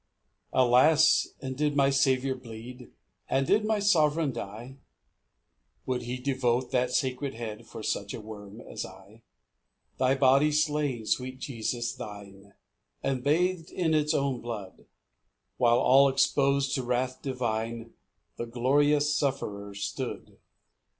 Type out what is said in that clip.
1 Alas! and did my Saviour bleed, And did my Sovereign die? Would he devote that sacred head For such a worm as I? 2 [Thy body slain, sweet Jesus, thine, And bath'd in its own blood, While all expos'd to wrath divine The glorious Sufferer stood.